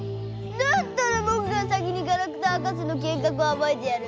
だったらぼくが先にガラクタ博士の計画をあばいてやる。